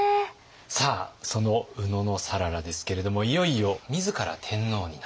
さあその野讃良ですけれどもいよいよ自ら天皇になった。